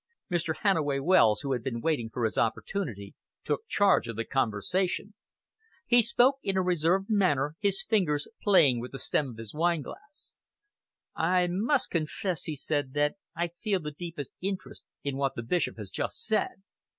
Mr. Hannaway Wells, who had been waiting for his opportunity, took charge of the conversation. He spoke in a reserved manner, his fingers playing with the stem of his wineglass. "I must confess," he said, "that I feel the deepest interest in what the Bishop has just said.